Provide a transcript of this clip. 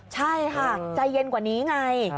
ใช่ค่ะใจเย็นกว่านี้ไง